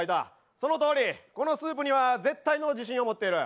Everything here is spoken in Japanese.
そのとおり、このスープには絶対の自信を持っている。